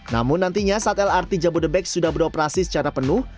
namun nantinya saat lrt jabodebek sudah beroperasi secara penuh